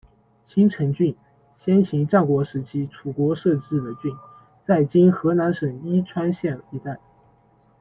新城郡，先秦战国时期，楚国设置的郡，在今河南省伊川县一带。